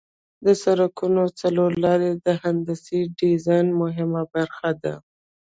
د سرکونو څلور لارې د هندسي ډیزاین مهمه برخه ده